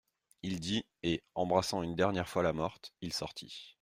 Il dit, et, embrassant une dernière fois la morte, il sortit.